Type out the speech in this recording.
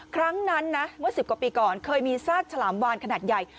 ครั้งนั้นนะเมื่อ๑๐กว่าปีก่อนเคยมีซากฉลามวานขนาดใหญ่